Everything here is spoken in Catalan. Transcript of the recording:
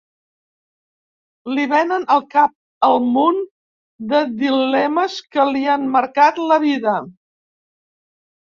Li venen al cap el munt de dilemes que li han marcat la vida.